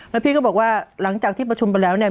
แล้วพี่ก็บอกว่าหลังจากที่ประชุมไปแล้วเนี่ย